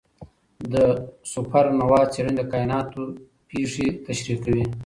د سوپرنووا څېړنې د کائنات پېښې تشریح کوي.